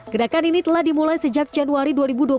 gerakan ini telah dimulai sejak januari dua ribu dua puluh